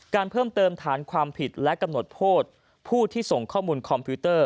การเพิ่มเติมฐานความผิดและกำหนดโทษผู้ที่ส่งข้อมูลคอมพิวเตอร์